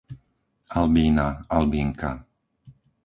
Albína, Albínka